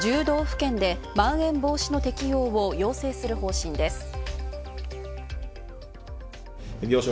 １０道府県で、まん延防止の適用を要請する方針です。